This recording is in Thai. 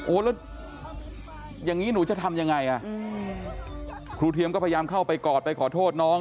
แล้วอย่างนี้หนูจะทำยังไงอ่ะครูเทียมก็พยายามเข้าไปกอดไปขอโทษน้อง